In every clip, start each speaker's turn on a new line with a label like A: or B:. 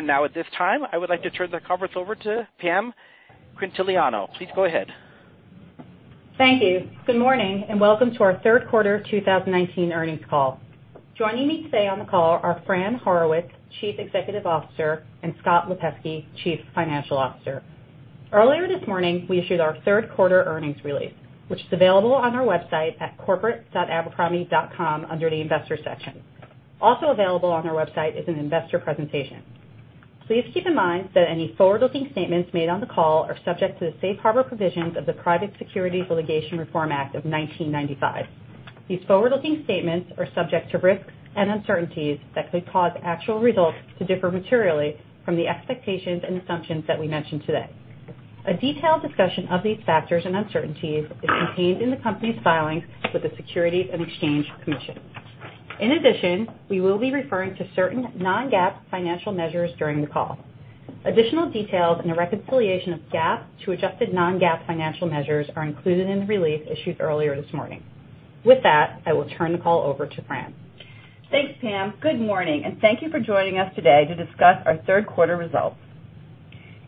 A: Now at this time, I would like to turn the conference over to Pam Quintiliano. Please go ahead.
B: Thank you. Good morning, welcome to our third quarter 2019 earnings call. Joining me today on the call are Fran Horowitz, Chief Executive Officer, and Scott Lipesky, Chief Financial Officer. Earlier this morning, we issued our third quarter earnings release, which is available on our website at corporate.abercrombie.com under the investor section. Also available on our website is an investor presentation. Please keep in mind that any forward-looking statements made on the call are subject to the safe harbor provisions of the Private Securities Litigation Reform Act of 1995. These forward-looking statements are subject to risks and uncertainties that could cause actual results to differ materially from the expectations and assumptions that we mention today. A detailed discussion of these factors and uncertainties is contained in the company's filings with the Securities and Exchange Commission. In addition, we will be referring to certain non-GAAP financial measures during the call. Additional details and a reconciliation of GAAP to adjusted non-GAAP financial measures are included in the release issued earlier this morning. With that, I will turn the call over to Fran.
C: Thanks, Pam. Good morning, and thank you for joining us today to discuss our third quarter results.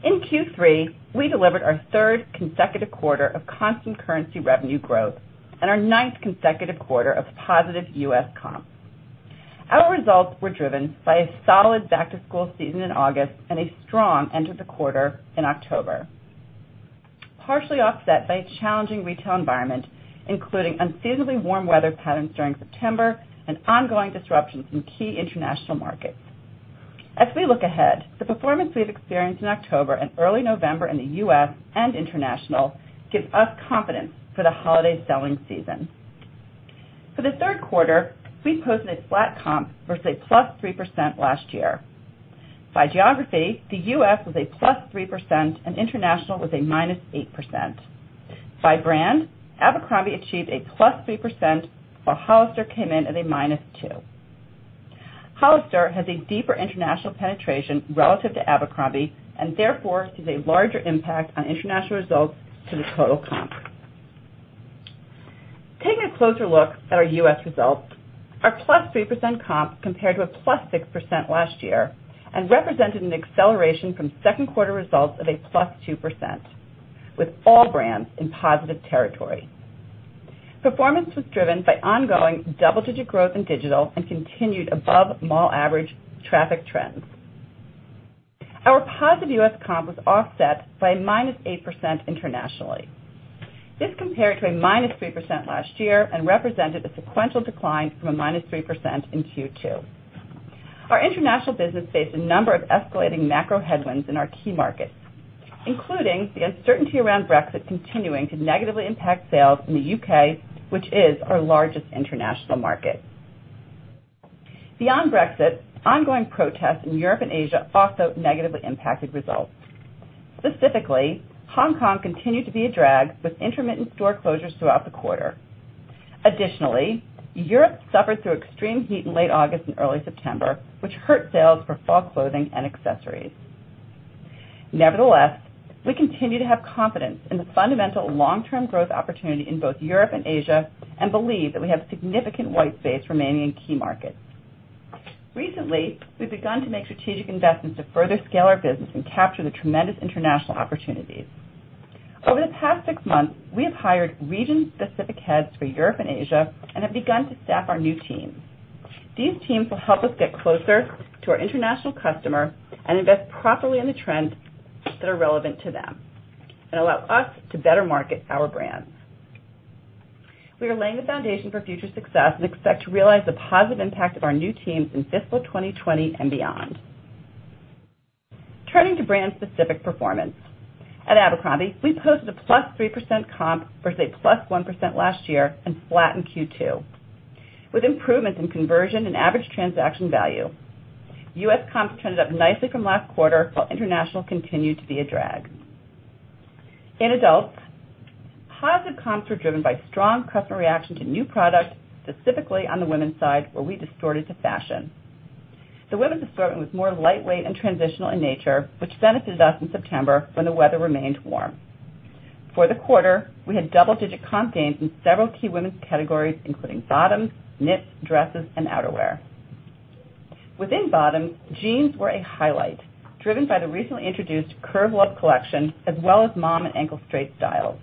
C: In Q3, we delivered our third consecutive quarter of constant currency revenue growth and our ninth consecutive quarter of positive U.S. comp. Our results were driven by a solid back-to-school season in August and a strong end to the quarter in October, partially offset by a challenging retail environment, including unseasonably warm weather patterns during September and ongoing disruptions in key international markets. We look ahead, the performance we've experienced in October and early November in the U.S. and international gives us confidence for the holiday selling season. For the third quarter, we posted a flat comp versus a +3% last year. By geography, the U.S. was a +3% and international was a -8%. By brand, Abercrombie achieved a +3%, while Hollister came in at a -2%. Hollister has a deeper international penetration relative to Abercrombie, and therefore sees a larger impact on international results to the total comp. Taking a closer look at our U.S. results, our +3% comp compared to a +6% last year and represented an acceleration from second quarter results of a +2%, with all brands in positive territory. Performance was driven by ongoing double-digit growth in digital and continued above mall average traffic trends. Our positive U.S. comp was offset by a -8% internationally. This compared to a -3% last year and represented a sequential decline from a -3% in Q2. Our international business faced a number of escalating macro headwinds in our key markets, including the uncertainty around Brexit continuing to negatively impact sales in the U.K., which is our largest international market. Beyond Brexit, ongoing protests in Europe and Asia also negatively impacted results. Specifically, Hong Kong continued to be a drag with intermittent store closures throughout the quarter. Additionally, Europe suffered through extreme heat in late August and early September, which hurt sales for fall clothing and accessories. Nevertheless, we continue to have confidence in the fundamental long-term growth opportunity in both Europe and Asia and believe that we have significant white space remaining in key markets. Recently, we've begun to make strategic investments to further scale our business and capture the tremendous international opportunities. Over the past six months, we have hired region-specific heads for Europe and Asia and have begun to staff our new teams. These teams will help us get closer to our international customer and invest properly in the trends that are relevant to them and allow us to better market our brands. We are laying the foundation for future success and expect to realize the positive impact of our new teams in fiscal 2020 and beyond. Turning to brand-specific performance. At Abercrombie, we posted a +3% comp versus a +1% last year and flat in Q2. With improvements in conversion and average transaction value, U.S. comps trended up nicely from last quarter, while international continued to be a drag. In adults, positive comps were driven by strong customer reaction to new products, specifically on the women's side, where we distorted to fashion. The women's assortment was more lightweight and transitional in nature, which benefited us in September when the weather remained warm. For the quarter, we had double-digit comp gains in several key women's categories, including bottoms, knits, dresses, and outerwear. Within bottoms, jeans were a highlight, driven by the recently introduced Curve Love collection, as well as mom and ankle straight styles.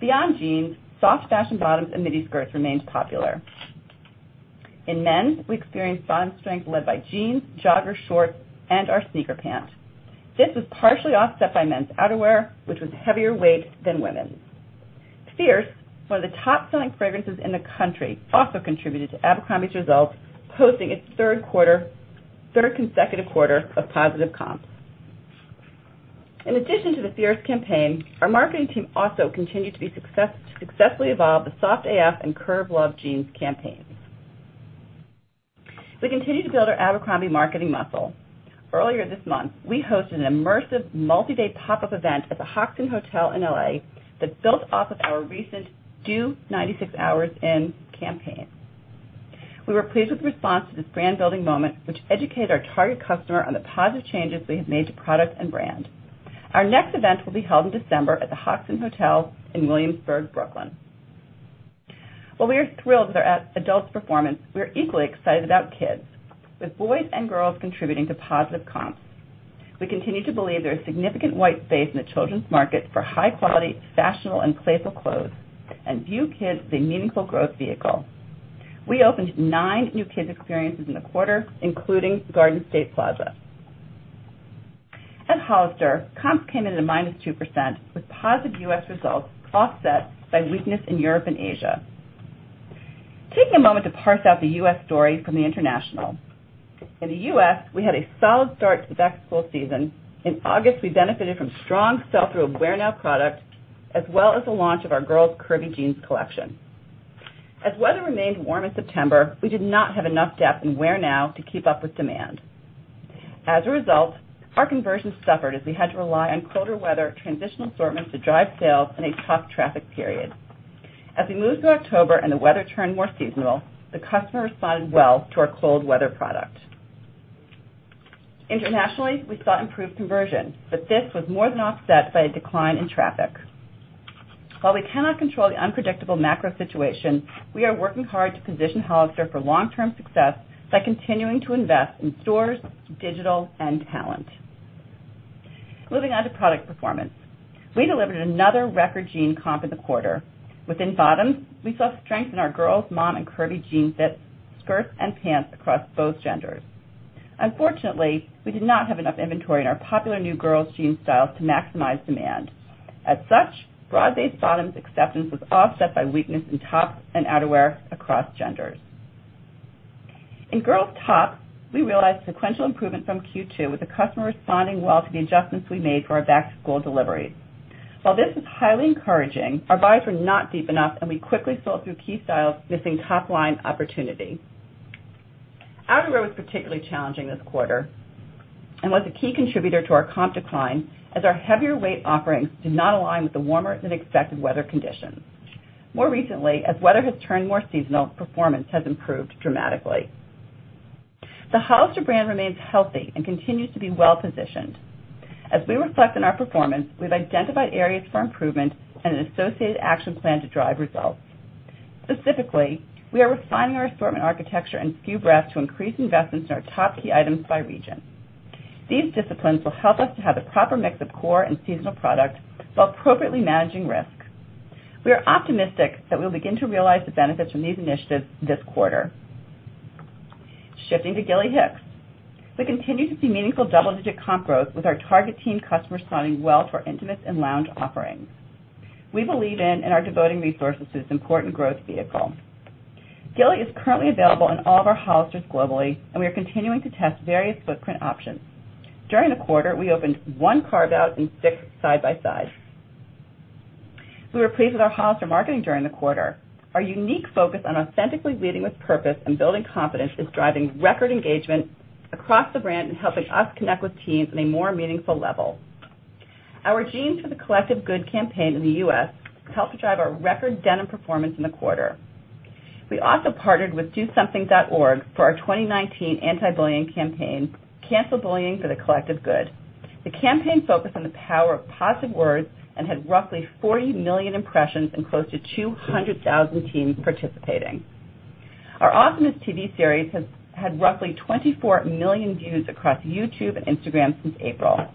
C: Beyond jeans, soft fashion bottoms and midi skirts remained popular. In men's, we experienced bottom strength led by jeans, jogger shorts, and our sneaker pant. This was partially offset by men's outerwear, which was heavier weight than women's. Fierce, one of the top-selling fragrances in the country, also contributed to Abercrombie's results, posting its third consecutive quarter of positive comps. In addition to the Fierce campaign, our marketing team also continued to successfully evolve the Soft AF and Curve Love jeans campaigns. We continue to build our Abercrombie marketing muscle. Earlier this month, we hosted an immersive multi-day pop-up event at The Hoxton in L.A. that built off of our recent "Do 96 Hours In" campaign. We were pleased with the response to this brand-building moment, which educated our target customer on the positive changes we have made to product and brand. Our next event will be held in December at the The Hoxton in Williamsburg, Brooklyn. While we are thrilled with our adults' performance, we are equally excited about kids, with boys and girls contributing to positive comps. We continue to believe there is significant white space in the children's market for high quality, fashionable, and playful clothes, and view kids as a meaningful growth vehicle. We opened nine new kids experiences in the quarter, including Garden State Plaza. At Hollister, comps came in at a minus 2% with positive U.S. results offset by weakness in Europe and Asia. Taking a moment to parse out the U.S. story from the international. In the U.S., we had a solid start to the back-to-school season. In August, we benefited from strong sell-through of wear-now product, as well as the launch of our girls' curvy jeans collection. As weather remained warm in September, we did not have enough depth in wear-now to keep up with demand. As a result, our conversion suffered as we had to rely on colder weather transitional assortments to drive sales in a tough traffic period. As we moved to October and the weather turned more seasonal, the customer responded well to our cold weather product. Internationally, we saw improved conversion, but this was more than offset by a decline in traffic. While we cannot control the unpredictable macro situation, we are working hard to position Hollister for long-term success by continuing to invest in stores, digital, and talent. Moving on to product performance. We delivered another record jean comp in the quarter. Within bottoms, we saw strength in our girls, mom, and curvy jean fits, skirts, and pants across both genders. Unfortunately, we did not have enough inventory in our popular new girls jean styles to maximize demand. As such, broad-based bottoms acceptance was offset by weakness in tops and outerwear across genders. In girls tops, we realized sequential improvement from Q2 with the customer responding well to the adjustments we made for our back-to-school delivery. While this is highly encouraging, our buyers were not deep enough, and we quickly sold through key styles, missing top-line opportunity. Outerwear was particularly challenging this quarter and was a key contributor to our comp decline as our heavier weight offerings did not align with the warmer than expected weather conditions. More recently, as weather has turned more seasonal, performance has improved dramatically. The Hollister brand remains healthy and continues to be well-positioned. As we reflect on our performance, we've identified areas for improvement and an associated action plan to drive results. Specifically, we are refining our assortment architecture and SKU breadth to increase investments in our top key items by region. These disciplines will help us to have the proper mix of core and seasonal product while appropriately managing risk. We are optimistic that we will begin to realize the benefits from these initiatives this quarter. Shifting to Gilly Hicks. We continue to see meaningful double-digit comp growth with our target teen customer responding well to our intimates and lounge offerings. We believe in and are devoting resources to this important growth vehicle. Gilly is currently available in all of our Hollisters globally, and we are continuing to test various footprint options. During the quarter, we opened one carve-out and six side by side. We were pleased with our Hollister marketing during the quarter. Our unique focus on authentically leading with purpose and building confidence is driving record engagement across the brand and helping us connect with teens on a more meaningful level. Our Jeans for the Collective Good campaign in the U.S. helped to drive our record denim performance in the quarter. We also partnered with dosomething.org for our 2019 anti-bullying campaign, Cancel Bullying for the Collective Good. The campaign focused on the power of positive words and had roughly 40 million impressions and close to 200,000 teens participating. Our Optimist TV series has had roughly 24 million views across YouTube and Instagram since April.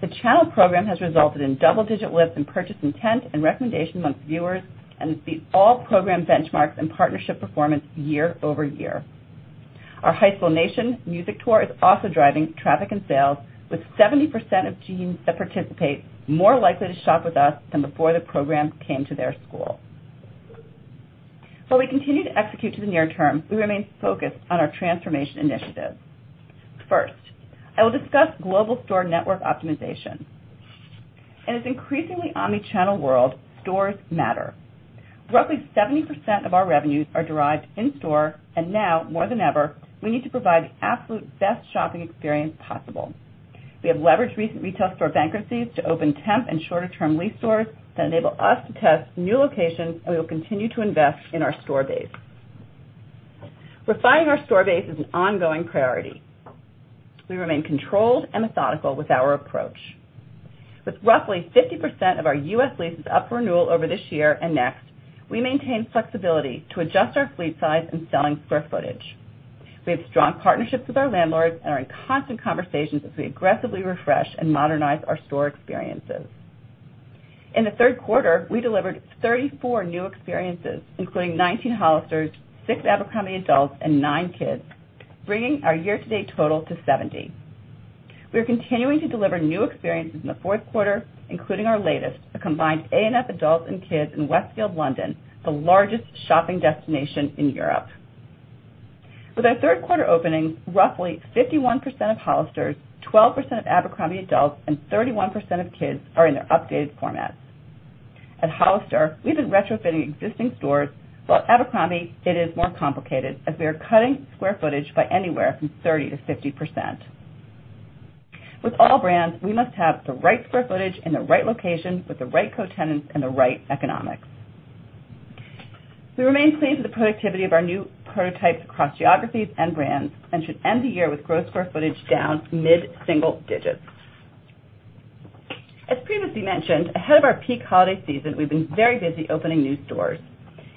C: The channel program has resulted in double-digit lifts in purchase intent and recommendation amongst viewers and has beat all program benchmarks and partnership performance year-over-year. Our High School Nation music tour is also driving traffic and sales with 70% of teens that participate more likely to shop with us than before the program came to their school. While we continue to execute to the near term, we remain focused on our transformation initiative. First, I will discuss global store network optimization. In this increasingly omni-channel world, stores matter. Roughly 70% of our revenues are derived in store, and now more than ever, we need to provide the absolute best shopping experience possible. We have leveraged recent retail store bankruptcies to open temp and shorter term lease stores that enable us to test new locations, and we will continue to invest in our store base. Refining our store base is an ongoing priority. We remain controlled and methodical with our approach. With roughly 50% of our U.S. leases up for renewal over this year and next, we maintain flexibility to adjust our fleet size and selling square footage. We have strong partnerships with our landlords and are in constant conversations as we aggressively refresh and modernize our store experiences. In the third quarter, we delivered 34 new experiences, including 19 Hollisters, 6 Abercrombie adults, and 9 kids, bringing our year-to-date total to 70. We are continuing to deliver new experiences in the fourth quarter, including our latest, a combined A&F adults and kids in Westfield, London, the largest shopping destination in Europe. With our third quarter opening, roughly 51% of Hollisters, 12% of Abercrombie adults, and 31% of kids are in their updated formats. At Hollister, we've been retrofitting existing stores. While at Abercrombie, it is more complicated as we are cutting square footage by anywhere from 30%-50%. With all brands, we must have the right square footage in the right location with the right co-tenants and the right economics. We remain pleased with the productivity of our new prototypes across geographies and brands and should end the year with gross square footage down mid-single digits. As previously mentioned, ahead of our peak holiday season, we've been very busy opening new stores.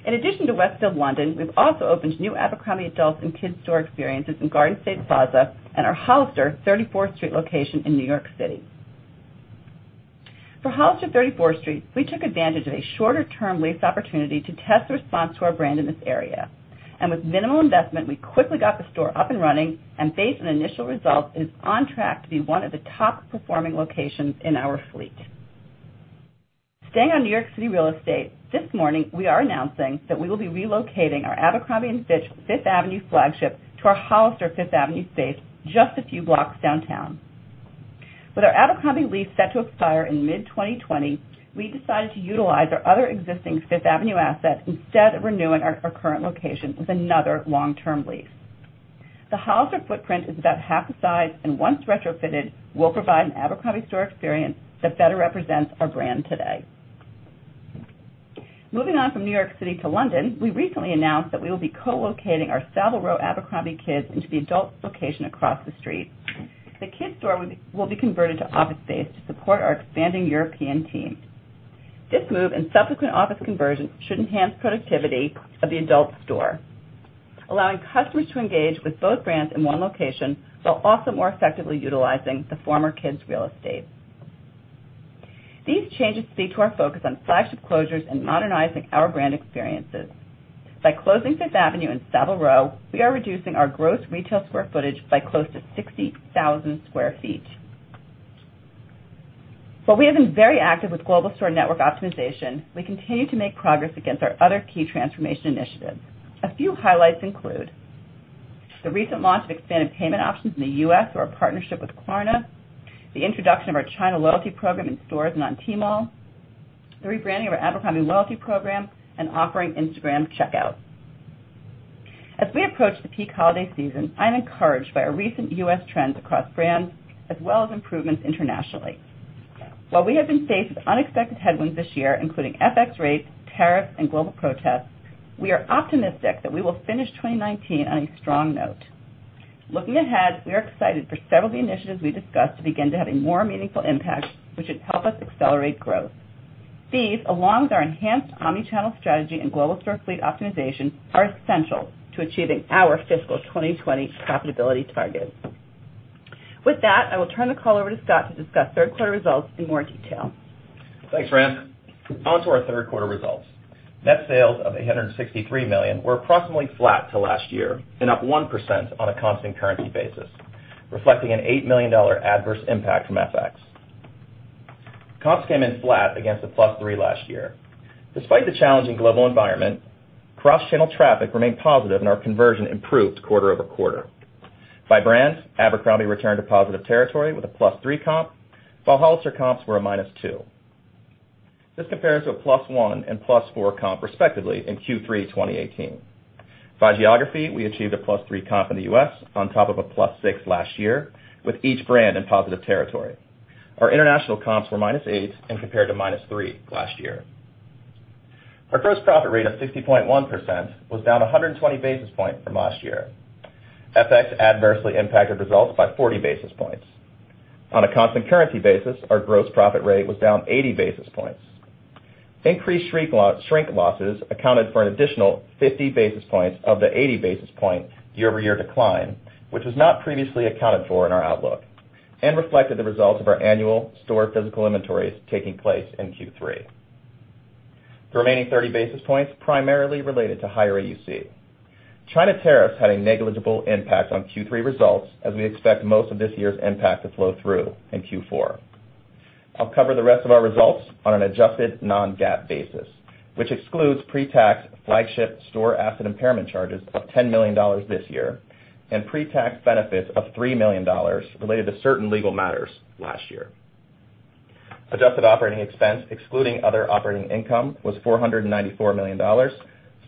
C: In addition to Westfield London, we've also opened new Abercrombie adults and kids' store experiences in Garden State Plaza and our Hollister 34th Street location in New York City. For Hollister 34th Street, we took advantage of a shorter-term lease opportunity to test the response to our brand in this area. With minimal investment, we quickly got the store up and running and based on initial results, it is on track to be one of the top-performing locations in our fleet. Staying on New York City real estate, this morning, we are announcing that we will be relocating our Abercrombie & Fitch Fifth Avenue flagship to our Hollister Fifth Avenue space just a few blocks downtown. With our Abercrombie lease set to expire in mid-2020, we decided to utilize our other existing Fifth Avenue asset instead of renewing our current location with another long-term lease. The Hollister footprint is about half the size, and once retrofitted, will provide an Abercrombie store experience that better represents our brand today. Moving on from New York City to London, we recently announced that we will be co-locating our Savile Row Abercrombie kids into the adults location across the street. The kids store will be converted to office space to support our expanding European team. This move and subsequent office conversion should enhance productivity of the Abercrombie store, allowing customers to engage with both brands in one location, while also more effectively utilizing the former kids' real estate. These changes speak to our focus on flagship closures and modernizing our brand experiences. By closing Fifth Avenue and Savile Row, we are reducing our gross retail square footage by close to 60,000 sq ft. While we have been very active with global store network optimization, we continue to make progress against our other key transformation initiatives. A few highlights include the recent launch of expanded payment options in the U.S. through our partnership with Klarna, the introduction of our China loyalty program in stores and on Tmall, the rebranding of our Abercrombie loyalty program, and offering Instagram checkout. As we approach the peak holiday season, I'm encouraged by our recent U.S. trends across brands, as well as improvements internationally. While we have been faced with unexpected headwinds this year, including FX rates, tariffs, and global protests, we are optimistic that we will finish 2019 on a strong note. Looking ahead, we are excited for several of the initiatives we discussed to begin to have a more meaningful impact, which should help us accelerate growth. These, along with our enhanced omnichannel strategy and global store fleet optimization, are essential to achieving our fiscal 2020 profitability targets. With that, I will turn the call over to Scott to discuss third quarter results in more detail.
D: Thanks, Fran. Now to our third quarter results. Net sales of $863 million were approximately flat to last year and up 1% on a constant currency basis, reflecting an $8 million adverse impact from FX. Comps came in flat against a plus three last year. Despite the challenging global environment, cross-channel traffic remained positive, and our conversion improved quarter-over-quarter. By brand, Abercrombie returned to positive territory with a plus three comp, while Hollister comps were a minus two. This compares to a plus one and plus four comp respectively in Q3 2018. By geography, we achieved a plus three comp in the U.S. on top of a plus six last year with each brand in positive territory. Our international comps were minus eight and compared to minus three last year. Our gross profit rate of 60.1% was down 120 basis points from last year. FX adversely impacted results by 40 basis points. On a constant currency basis, our gross profit rate was down 80 basis points. Increased shrink losses accounted for an additional 50 basis points of the 80 basis point year-over-year decline, which was not previously accounted for in our outlook and reflected the results of our annual store physical inventories taking place in Q3. The remaining 30 basis points primarily related to higher AUC. China tariffs had a negligible impact on Q3 results, as we expect most of this year's impact to flow through in Q4. I'll cover the rest of our results on an adjusted non-GAAP basis, which excludes pre-tax flagship store asset impairment charges of $10 million this year and pre-tax benefits of $3 million related to certain legal matters last year. Adjusted operating expense excluding other operating income was $494 million,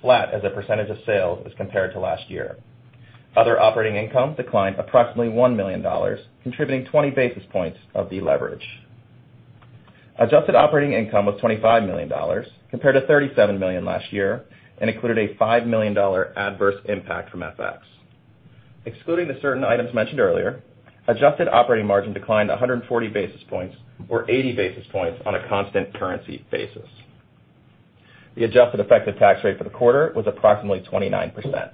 D: flat as a percentage of sales as compared to last year. Other operating income declined approximately $1 million, contributing 20 basis points of the leverage. Adjusted operating income was $25 million, compared to $37 million last year, and included a $5 million adverse impact from FX. Excluding the certain items mentioned earlier, adjusted operating margin declined 140 basis points or 80 basis points on a constant currency basis. The adjusted effective tax rate for the quarter was approximately 29%.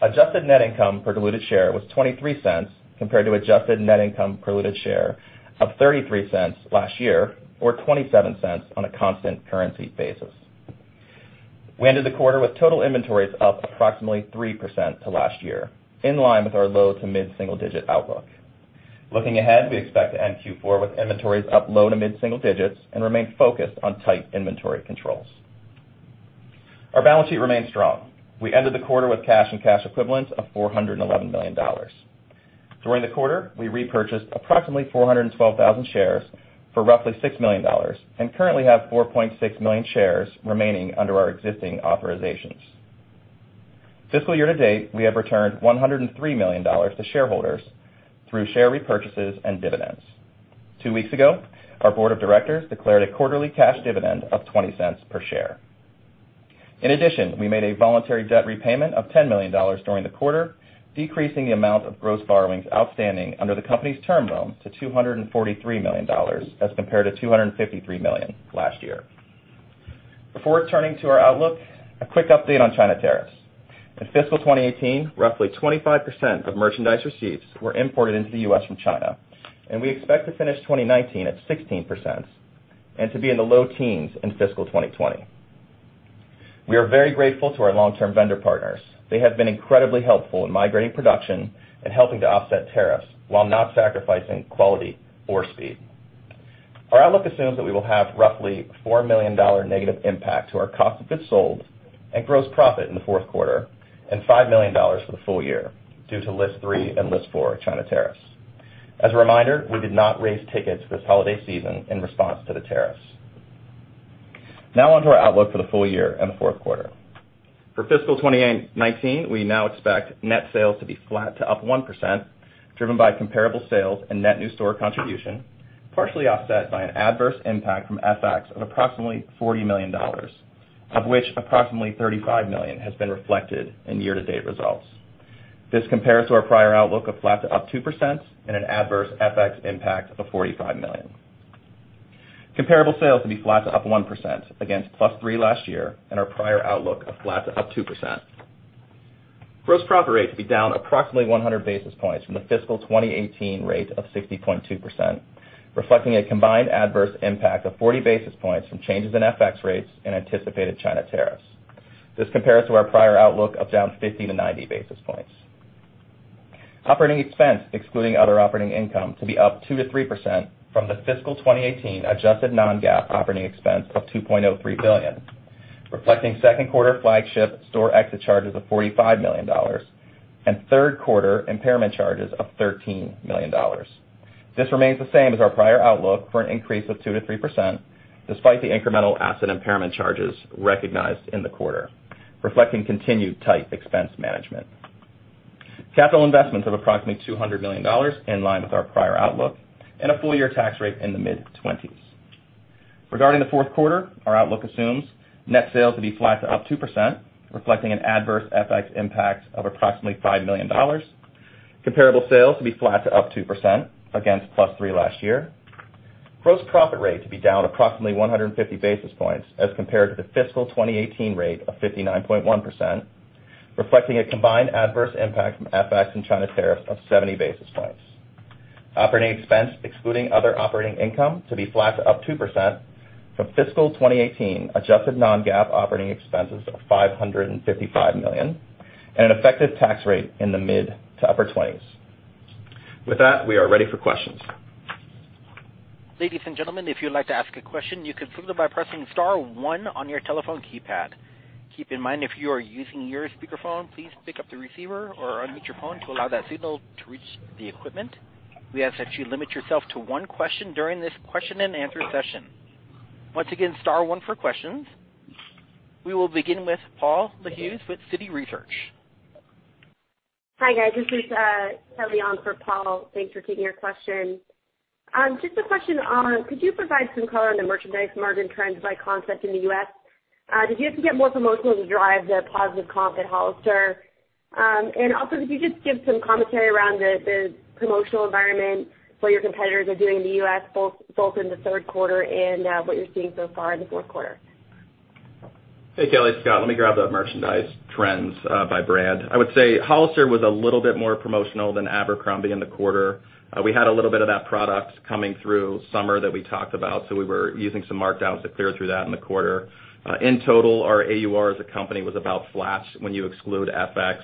D: Adjusted net income per diluted share was $0.23 compared to adjusted net income per diluted share of $0.33 last year or $0.27 on a constant currency basis. We ended the quarter with total inventories up approximately 3% to last year, in line with our low to mid-single-digit outlook. Looking ahead, we expect to end Q4 with inventories up low to mid-single digits and remain focused on tight inventory controls. Our balance sheet remains strong. We ended the quarter with cash and cash equivalents of $411 million. During the quarter, we repurchased approximately 412,000 shares for roughly $6 million and currently have 4.6 million shares remaining under our existing authorizations. Fiscal year to date, we have returned $103 million to shareholders through share repurchases and dividends. Two weeks ago, our board of directors declared a quarterly cash dividend of $0.20 per share. In addition, we made a voluntary debt repayment of $10 million during the quarter, decreasing the amount of gross borrowings outstanding under the company's term loan to $243 million as compared to $253 million last year. Before turning to our outlook, a quick update on China tariffs. In fiscal 2018, roughly 25% of merchandise receipts were imported into the U.S. from China. We expect to finish 2019 at 16% and to be in the low teens in fiscal 2020. We are very grateful to our long-term vendor partners. They have been incredibly helpful in migrating production and helping to offset tariffs while not sacrificing quality or speed. Our outlook assumes that we will have roughly $4 million negative impact to our cost of goods sold and gross profit in the fourth quarter and $5 million for the full year due to list 3 and list 4 China tariffs. As a reminder, we did not raise tickets this holiday season in response to the tariffs. Now on to our outlook for the full year and the fourth quarter. For fiscal 2019, we now expect net sales to be flat to up 1%, driven by comparable sales and net new store contribution, partially offset by an adverse impact from FX of approximately $40 million, of which approximately $35 million has been reflected in year-to-date results. This compares to our prior outlook of flat to up 2% and an adverse FX impact of $45 million. Comparable sales to be flat to up 1% against +3 last year and our prior outlook of flat to up 2%. Gross profit rate to be down approximately 100 basis points from the fiscal 2018 rate of 60.2%, reflecting a combined adverse impact of 40 basis points from changes in FX rates and anticipated China tariffs. This compares to our prior outlook of down 50-90 basis points. Operating expense, excluding other operating income, to be up 2%-3% from the fiscal 2018 adjusted non-GAAP operating expense of $2.03 billion, reflecting second quarter flagship store exit charges of $45 million and third-quarter impairment charges of $13 million. This remains the same as our prior outlook for an increase of 2%-3%, despite the incremental asset impairment charges recognized in the quarter, reflecting continued tight expense management. Capital investments of approximately $200 million, in line with our prior outlook, and a full-year tax rate in the mid-20s. Regarding the fourth quarter, our outlook assumes net sales to be flat to up 2%, reflecting an adverse FX impact of approximately $5 million. Comparable sales to be flat to up 2% against +3% last year. Gross profit rate to be down approximately 150 basis points as compared to the fiscal 2018 rate of 59.1%, reflecting a combined adverse impact from FX and China tariff of 70 basis points. Operating expense, excluding other operating income, to be flat to up 2% from fiscal 2018 adjusted non-GAAP operating expenses of $555 million and an effective tax rate in the mid to upper 20s. With that, we are ready for questions.
A: Ladies and gentlemen, if you'd like to ask a question, you can do so by pressing *1 on your telephone keypad. Keep in mind, if you are using your speakerphone, please pick up the receiver or unmute your phone to allow that signal to reach the equipment. We ask that you limit yourself to one question during this question-and-answer session. Once again, *1 for questions. We will begin with Paul Lejuez with Citigroup.
E: Hi, guys. This is Kelly on for Paul. Thanks for taking our question. Just a question on, could you provide some color on the merchandise margin trends by concept in the U.S.? Did you have to get more promotional to drive the positive comp at Hollister? Also, if you could just give some commentary around the promotional environment, what your competitors are doing in the U.S., both in the third quarter and what you're seeing so far in the fourth quarter.
D: Hey, Kelly, Scott. Let me grab the merchandise trends by brand. I would say Hollister was a little bit more promotional than Abercrombie in the quarter. We had a little bit of that product coming through summer that we talked about, so we were using some markdowns to clear through that in the quarter. In total, our AUR as a company was about flat when you exclude FX.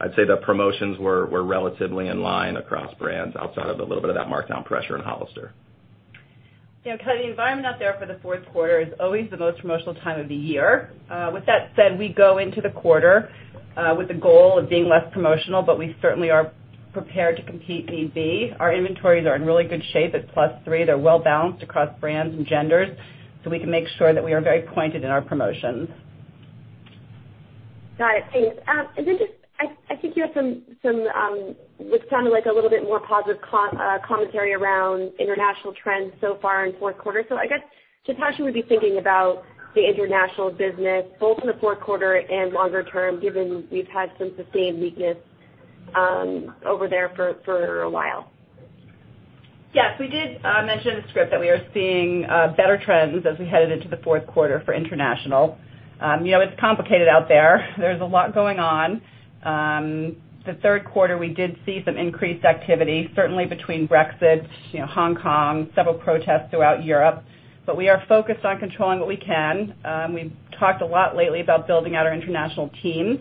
D: I'd say the promotions were relatively in line across brands outside of the little bit of that markdown pressure in Hollister.
C: Yeah, Kelly, the environment out there for the fourth quarter is always the most promotional time of the year. With that said, we go into the quarter with the goal of being less promotional, but we certainly are prepared to compete. Our inventories are in really good shape at +3%. They're well-balanced across brands and genders, so we can make sure that we are very pointed in our promotions.
E: Got it. Thanks. Just, I think you had what sounded like a little bit more positive commentary around international trends so far in fourth quarter. I guess, Natasha, what you're thinking about the international business both in the fourth quarter and longer term, given we've had some sustained weakness over there for a while.
C: Yes. We did mention in the script that we are seeing better trends as we headed into the fourth quarter for international. It's complicated out there. There's a lot going on. The third quarter, we did see some increased activity, certainly between Brexit, Hong Kong, several protests throughout Europe, but we are focused on controlling what we can. We've talked a lot lately about building out our international teams.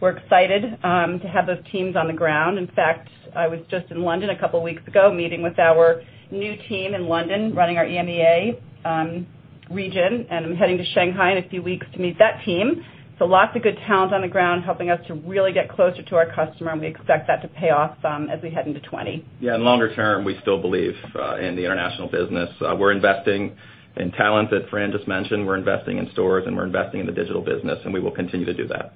C: We're excited to have those teams on the ground. In fact, I was just in London a couple of weeks ago meeting with our new team in London, running our EMEA region, and I'm heading to Shanghai in a few weeks to meet that team. Lots of good talent on the ground helping us to really get closer to our customer, and we expect that to pay off as we head into 2020.
D: Yeah, longer term, we still believe in the international business. We're investing in talent, as Fran just mentioned. We're investing in stores, and we're investing in the digital business, and we will continue to do that.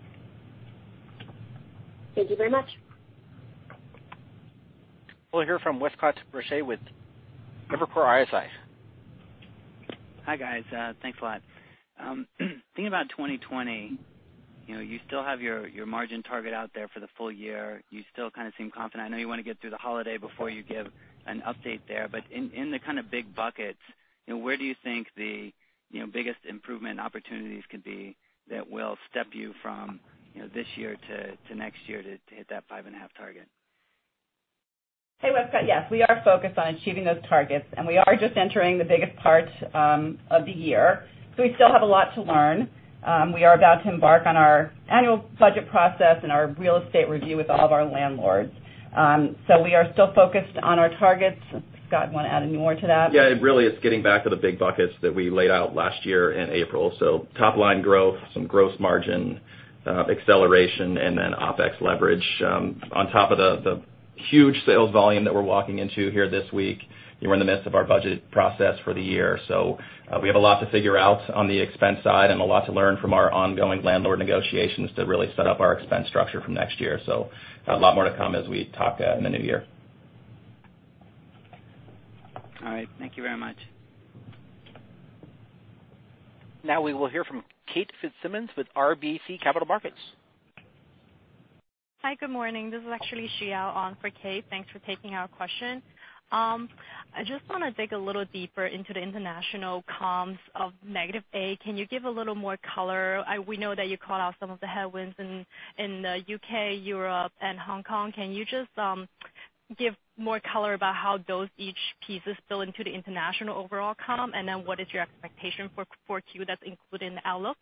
E: Thank you very much.
A: We'll hear from Westcott Berce with Evercore ISI.
F: Hi, guys. Thanks a lot. Thinking about 2020, you still have your margin target out there for the full year. You still seem confident. I know you want to get through the holiday before you give an update there, but in the big buckets, where do you think the biggest improvement opportunities could be that will step you from this year to next year to hit that five-and-a-half target?
C: Hey, Westcott. Yes, we are focused on achieving those targets, and we are just entering the biggest part of the year, so we still have a lot to learn. We are about to embark on our annual budget process and our real estate review with all of our landlords. We are still focused on our targets. Scott, want to add any more to that?
D: Yeah. Really, it's getting back to the big buckets that we laid out last year in April. Top-line growth, some gross margin acceleration, and then OPEX leverage. On top of the huge sales volume that we're walking into here this week, we're in the midst of our budget process for the year. We have a lot to figure out on the expense side and a lot to learn from our ongoing landlord negotiations to really set up our expense structure for next year. Got a lot more to come as we talk in the new year.
F: All right. Thank you very much.
A: Now we will hear from Kate Fitzsimons with RBC Capital Markets.
G: Hi, good morning. This is actually Xiao on for Kate. Thanks for taking our question. I just want to dig a little deeper into the international comps of negative 8. Can you give a little more color? We know that you called out some of the headwinds in the U.K., Europe, and Hong Kong. Can you just give more color about how those each pieces spill into the international overall comp? What is your expectation for Q that's included in the outlook?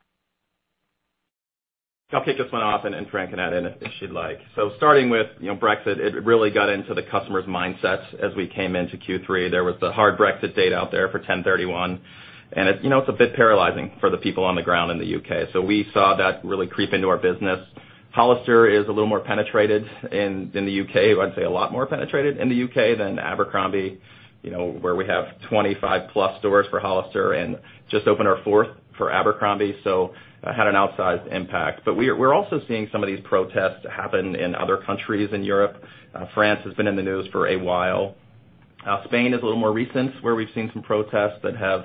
D: I'll kick this one off, and Fran can add in if she'd like. Starting with Brexit, it really got into the customer's mindset as we came into Q3. There was the hard Brexit date out there for 10/31, and it's a bit paralyzing for the people on the ground in the U.K. We saw that really creep into our business. Hollister is a little more penetrated in the U.K. I'd say a lot more penetrated in the U.K. than Abercrombie, where we have 25-plus stores for Hollister and just opened our fourth for Abercrombie, so had an outsized impact. We're also seeing some of these protests happen in other countries in Europe. France has been in the news for a while. Spain is a little more recent, where we've seen some protests that have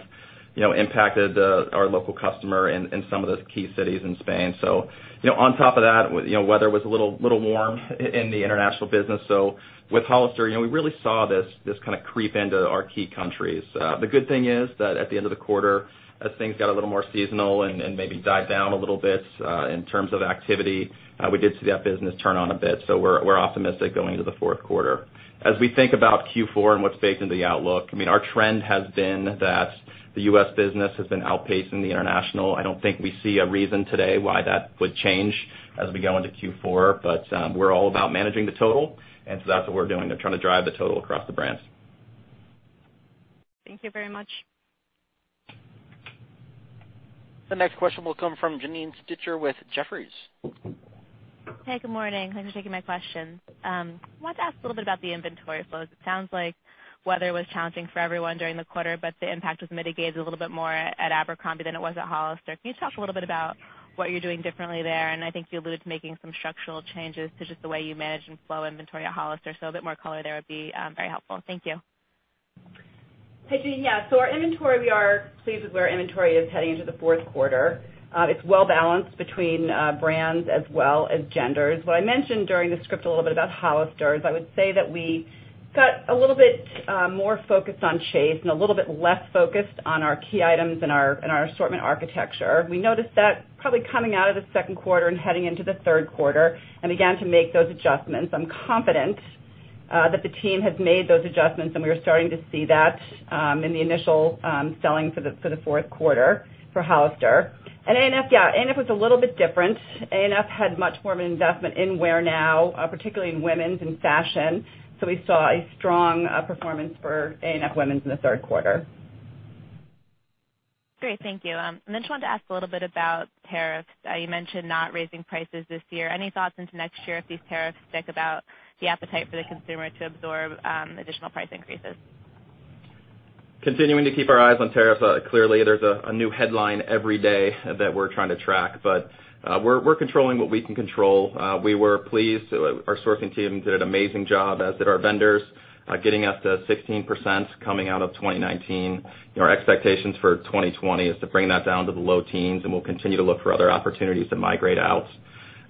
D: impacted our local customer in some of those key cities in Spain. On top of that, weather was a little warm in the international business. With Hollister, we really saw this creep into our key countries. The good thing is that at the end of the quarter, as things got a little more seasonal and maybe died down a little bit in terms of activity, we did see that business turn on a bit. We're optimistic going into the fourth quarter. As we think about Q4 and what's baked into the outlook, our trend has been that the U.S. business has been outpacing the international. I don't think we see a reason today why that would change as we go into Q4. We're all about managing the total, and that's what we're doing, trying to drive the total across the brands.
G: Thank you very much.
A: The next question will come from Janine Stichter with Jefferies.
H: Hey, good morning. Thanks for taking my question. Wanted to ask a little bit about the inventory flows. It sounds like weather was challenging for everyone during the quarter, the impact was mitigated a little bit more at Abercrombie than it was at Hollister. Can you talk a little bit about what you're doing differently there? I think you alluded to making some structural changes to just the way you manage and flow inventory at Hollister, a bit more color there would be very helpful. Thank you.
C: Hey, Janine. Yeah. Our inventory, we are pleased with where inventory is heading into the fourth quarter. It's well-balanced between brands as well as genders. What I mentioned during the script a little bit about Hollister is I would say that we got a little bit more focused on chase and a little bit less focused on our key items and our assortment architecture. We noticed that probably coming out of the second quarter and heading into the third quarter and began to make those adjustments. I'm confident that the team has made those adjustments, and we are starting to see that in the initial selling for the fourth quarter for Hollister. A&F, yeah, A&F was a little bit different. A&F had much more of an investment in wear now, particularly in women's and fashion. We saw a strong performance for A&F women's in the third quarter.
H: Great. Thank you. Just wanted to ask a little bit about tariffs. You mentioned not raising prices this year. Any thoughts into next year if these tariffs stick about the appetite for the consumer to absorb additional price increases?
D: Continuing to keep our eyes on tariffs. Clearly, there's a new headline every day that we're trying to track. We're controlling what we can control. We were pleased. Our sourcing team did an amazing job, as did our vendors, getting us to 16% coming out of 2019. Our expectations for 2020 is to bring that down to the low teens, and we'll continue to look for other opportunities to migrate out.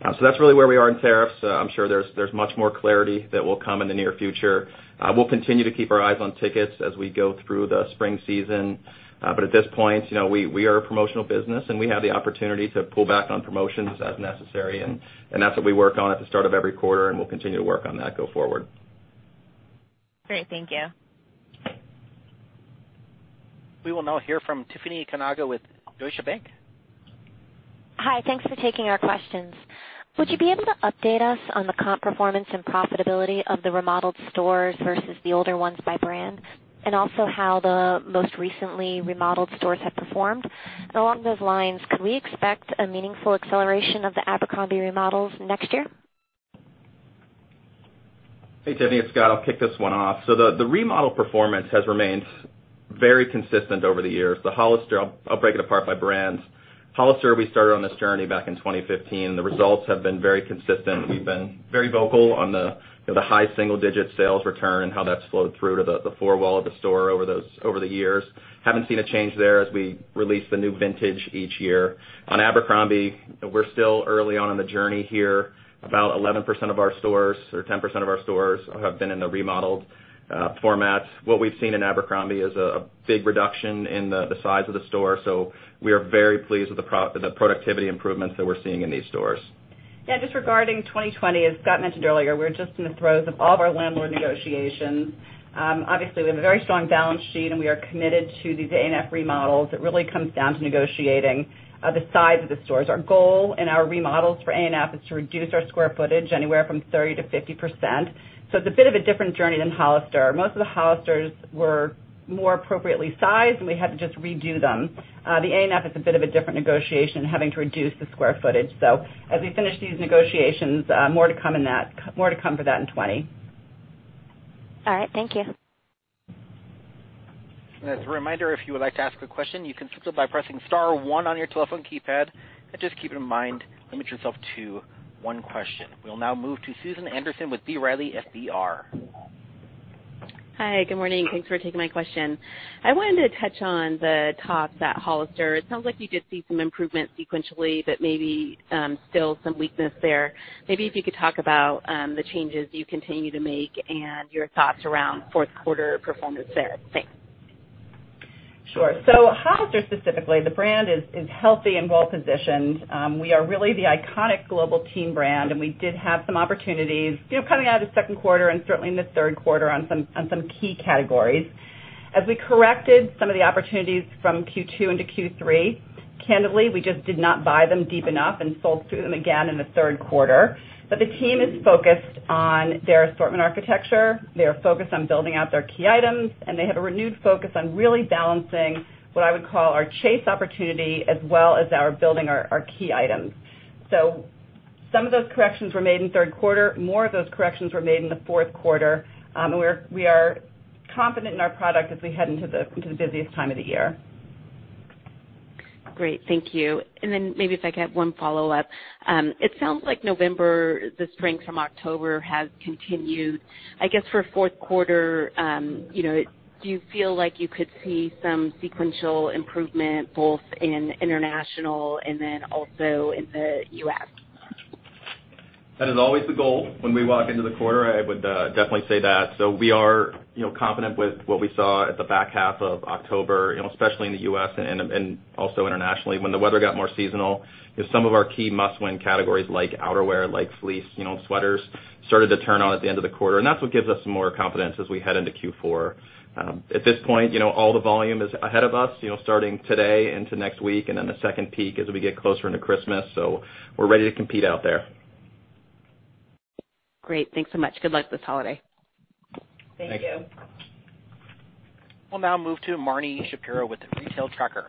D: That's really where we are in tariffs. I'm sure there's much more clarity that will come in the near future. We'll continue to keep our eyes on tickets as we go through the spring season. At this point, we are a promotional business, and we have the opportunity to pull back on promotions as necessary. That's what we work on at the start of every quarter, and we'll continue to work on that go forward.
H: Great. Thank you.
A: We will now hear from Tiffany Kanaga with Deutsche Bank.
I: Hi. Thanks for taking our questions. Would you be able to update us on the comp performance and profitability of the remodeled stores versus the older ones by brand, and also how the most recently remodeled stores have performed? Along those lines, could we expect a meaningful acceleration of the Abercrombie remodels next year?
D: Hey, Tiffany, it's Scott. I'll kick this one off. The remodel performance has remained very consistent over the years. The Hollister, I'll break it apart by brands. Hollister, we started on this journey back in 2015, and the results have been very consistent. We've been very vocal on the high single-digit sales return and how that's flowed through to the floor well of the store over the years. Haven't seen a change there as we release the new vintage each year. On Abercrombie, we're still early on in the journey here. About 11% of our stores, or 10% of our stores have been in the remodeled format. What we've seen in Abercrombie is a big reduction in the size of the store. We are very pleased with the productivity improvements that we're seeing in these stores.
C: Yeah. Just regarding 2020, as Scott mentioned earlier, we're just in the throes of all of our landlord negotiations. Obviously, we have a very strong balance sheet, and we are committed to these ANF remodels. It really comes down to negotiating the size of the stores. Our goal in our remodels for ANF is to reduce our square footage anywhere from 30% to 50%. It's a bit of a different journey than Hollister. Most of the Hollisters were more appropriately sized, and we had to just redo them. The ANF is a bit of a different negotiation, having to reduce the square footage. As we finish these negotiations, more to come for that in 2020.
I: All right. Thank you.
A: As a reminder, if you would like to ask a question, you can signal by pressing star one on your telephone keypad, and just keep in mind, limit yourself to one question. We'll now move to Susan Anderson with B. Riley Securities.
J: Hi. Good morning. Thanks for taking my question. I wanted to touch on the tops at Hollister. It sounds like you did see some improvement sequentially, but maybe still some weakness there. Maybe if you could talk about the changes you continue to make and your thoughts around fourth quarter performance there. Thanks.
C: Sure. Hollister specifically, the brand is healthy and well-positioned. We are really the iconic global teen brand, and we did have some opportunities coming out of the second quarter and certainly in the third quarter on some key categories. As we corrected some of the opportunities from Q2 into Q3, candidly, we just did not buy them deep enough and sold through them again in the third quarter. The team is focused on their assortment architecture. They are focused on building out their key items, and they have a renewed focus on really balancing what I would call our chase opportunity, as well as building our key items. Some of those corrections were made in the third quarter. More of those corrections were made in the fourth quarter. We are confident in our product as we head into the busiest time of the year.
J: Great. Thank you. Maybe if I could have one follow-up. It sounds like November, the strength from October has continued. I guess for fourth quarter, do you feel like you could see some sequential improvement both in international and also in the U.S.?
D: That is always the goal when we walk into the quarter. I would definitely say that. We are confident with what we saw at the back half of October, especially in the U.S. and also internationally. When the weather got more seasonal, some of our key must-win categories like outerwear, like fleece, sweaters, started to turn on at the end of the quarter, and that's what gives us more confidence as we head into Q4. At this point, all the volume is ahead of us starting today into next week, and then the second peak as we get closer into Christmas. We're ready to compete out there.
J: Great. Thanks so much. Good luck this holiday.
C: Thank you.
D: Thank you.
A: We'll now move to Marni Shapiro with The Retail Tracker.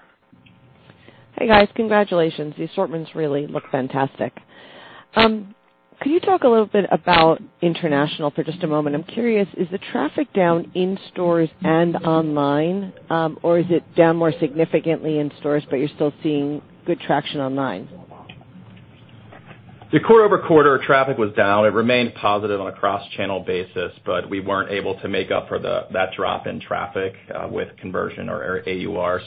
K: Hey, guys. Congratulations. The assortments really look fantastic. Could you talk a little bit about international for just a moment? I'm curious, is the traffic down in stores and online, or is it down more significantly in stores, but you're still seeing good traction online?
D: The quarter-over-quarter traffic was down. It remained positive on a cross-channel basis, but we weren't able to make up for that drop in traffic with conversion or AUR.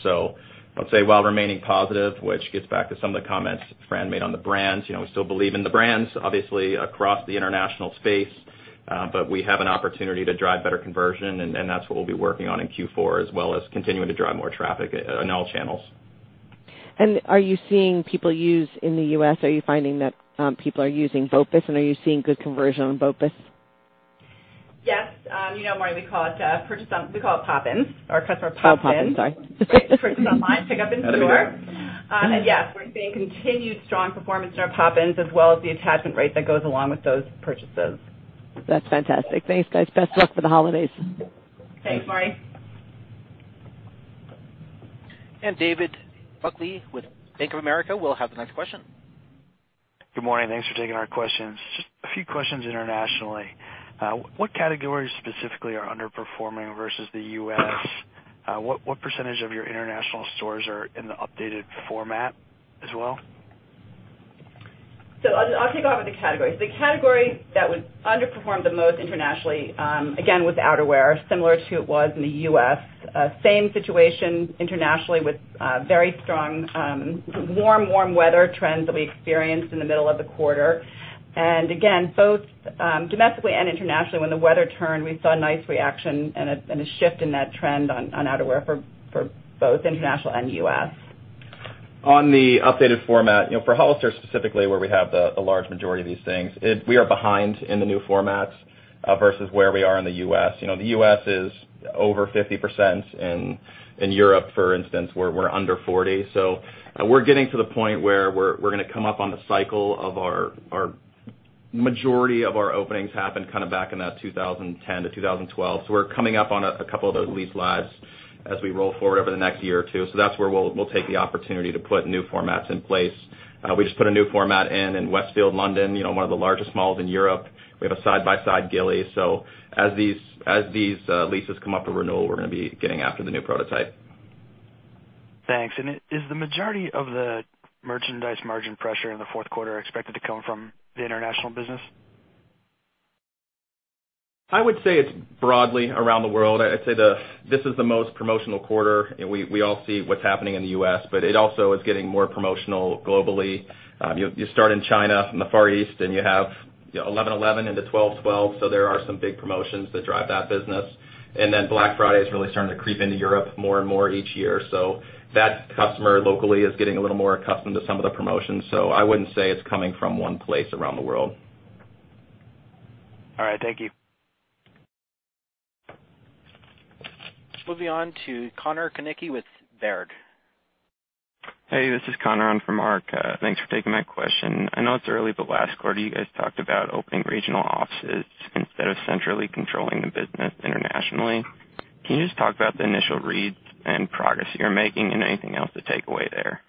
D: I'd say while remaining positive, which gets back to some of the comments Fran made on the brands. We still believe in the brands, obviously, across the international space. We have an opportunity to drive better conversion, and that's what we'll be working on in Q4 as well as continuing to drive more traffic in all channels.
K: Are you seeing people use in the U.S., are you finding that people are using BOPIS, and are you seeing good conversion on BOPIS?
C: Yes. Marni, we call it POPINS. Our customer POPINS.
K: Oh, POPINS, sorry.
C: Purchase online, pick up in store. Yes, we're seeing continued strong performance in our POPINS as well as the attachment rate that goes along with those purchases.
K: That's fantastic. Thanks, guys. Best of luck for the holidays.
C: Thanks, Marni.
D: Thanks.
A: David Buckley with Bank of America will have the next question.
L: Good morning. Thanks for taking our questions. Just a few questions internationally. What categories specifically are underperforming versus the U.S.? What percentage of your international stores are in the updated format as well?
C: I'll kick off with the categories. The category that would underperform the most internationally, again, was outerwear, similar to it was in the U.S. Same situation internationally with very strong warm weather trends that we experienced in the middle of the quarter. Again, both domestically and internationally, when the weather turned, we saw a nice reaction and a shift in that trend on outerwear for both international and U.S.
D: On the updated format, for Hollister specifically, where we have the large majority of these things, we are behind in the new formats versus where we are in the U.S. The U.S. is over 50%. In Europe, for instance, we're under 40. We're getting to the point where we're going to come up on the cycle of our majority of our openings happened back in that 2010 to 2012. We're coming up on a couple of those lease lives as we roll forward over the next year or two. That's where we'll take the opportunity to put new formats in place. We just put a new format in in Westfield, London, one of the largest malls in Europe. We have a side-by-side Gilly Hicks. As these leases come up for renewal, we're going to be getting after the new prototype.
L: Thanks. Is the majority of the merchandise margin pressure in the fourth quarter expected to come from the international business?
D: I would say it's broadly around the world. I'd say this is the most promotional quarter, and we all see what's happening in the U.S., but it also is getting more promotional globally. You start in China, from the Far East, and you have 11/11 into 12/12, so there are some big promotions that drive that business. Black Friday is really starting to creep into Europe more and more each year. That customer locally is getting a little more accustomed to some of the promotions. I wouldn't say it's coming from one place around the world.
L: All right. Thank you.
A: Moving on to Connor Konicke with Baird.
M: Hey, this is Connor. I'm from ARC. Thanks for taking my question. I know it's early, last quarter, you guys talked about opening regional offices instead of centrally controlling the business internationally. Can you just talk about the initial reads and progress you're making and anything else to take away there?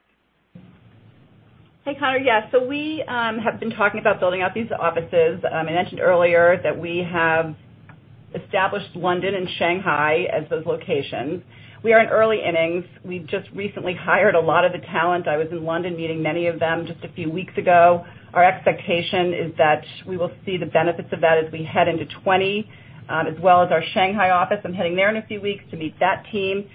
C: Hey, Connor. Yeah. We have been talking about building out these offices. I mentioned earlier that we have established London and Shanghai as those locations. We are in early innings. We've just recently hired a lot of the talent. I was in London meeting many of them just a few weeks ago. Our expectation is that we will see the benefits of that as we head into 2020, as well as our Shanghai office. I'm heading there in a few weeks to meet that team.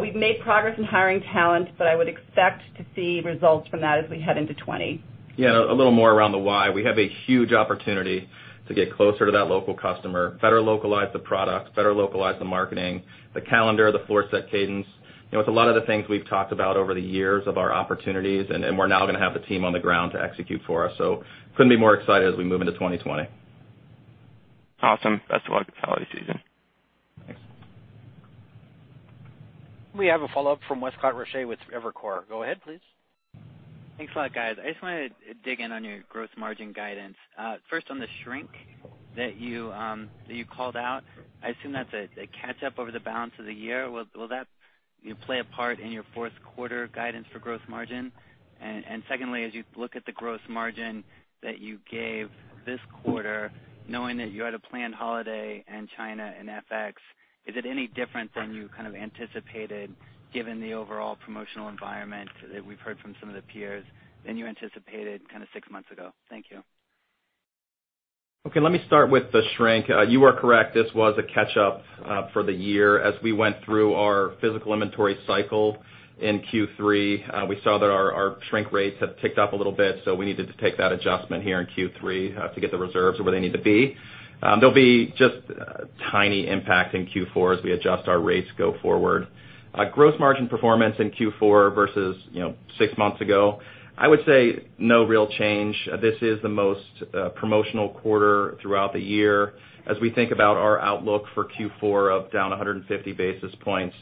C: We've made progress in hiring talent, but I would expect to see results from that as we head into 2020.
D: A little more around the why. We have a huge opportunity to get closer to that local customer, better localize the product, better localize the marketing, the calendar, the floor set cadence. It's a lot of the things we've talked about over the years of our opportunities, and we're now going to have the team on the ground to execute for us. Couldn't be more excited as we move into 2020.
M: Awesome. Best of luck this holiday season.
D: Thanks.
A: We have a follow-up from Westcott Rochette with Evercore. Go ahead, please.
N: Thanks a lot, guys. I just wanted to dig in on your gross margin guidance. First, on the shrink that you called out, I assume that's a catch-up over the balance of the year. Will that play a part in your fourth quarter guidance for gross margin? Secondly, as you look at the gross margin that you gave this quarter, knowing that you had a planned holiday in China and FX, is it any different than you kind of anticipated, given the overall promotional environment that we've heard from some of the peers than you anticipated kind of six months ago? Thank you.
D: Okay, let me start with the shrink. You are correct. This was a catch-up for the year. As we went through our physical inventory cycle in Q3, we saw that our shrink rates have ticked up a little bit, so we needed to take that adjustment here in Q3 to get the reserves where they need to be. There'll be just a tiny impact in Q4 as we adjust our rates go forward. Gross margin performance in Q4 versus six months ago, I would say no real change. This is the most promotional quarter throughout the year. As we think about our outlook for Q4 of down 150 basis points,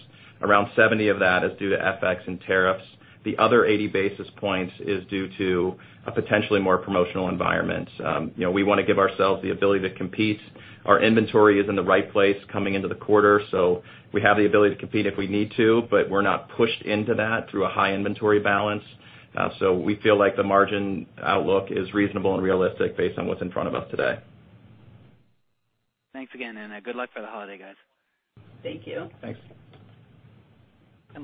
D: around 70 of that is due to FX and tariffs. The other 80 basis points is due to a potentially more promotional environment. We want to give ourselves the ability to compete. Our inventory is in the right place coming into the quarter, so we have the ability to compete if we need to, but we're not pushed into that through a high inventory balance. We feel like the margin outlook is reasonable and realistic based on what's in front of us today.
N: Thanks again, good luck for the holiday, guys.
C: Thank you.
D: Thanks.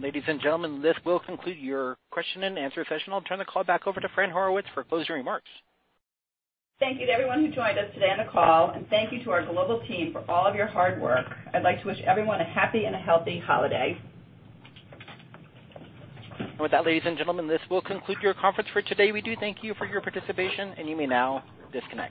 A: Ladies and gentlemen, this will conclude your question and answer session. I'll turn the call back over to Fran Horowitz for closing remarks.
C: Thank you to everyone who joined us today on the call, and thank you to our global team for all of your hard work. I'd like to wish everyone a happy and a healthy holiday.
A: With that, ladies and gentlemen, this will conclude your conference for today. We do thank you for your participation. You may now disconnect.